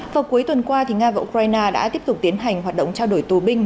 vào cuối tuần qua nga và ukraine đã tiếp tục tiến hành hoạt động trao đổi tù binh